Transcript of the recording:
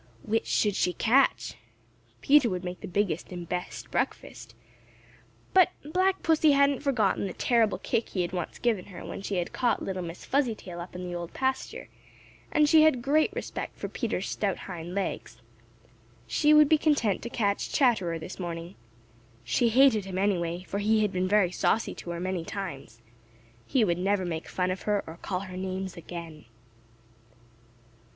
Which should she catch? Peter would make the biggest and best breakfast, but Black Pussy hadn't forgotten the terrible kick he had once given her when she had caught little Miss Fuzzytail up in the Old Pasture, and she had great respect for Peter's stout hind legs. She would be content to catch Chatterer this morning. She hated him, anyway, for he had been very saucy to her many times. He would never make fun of her or call her names again.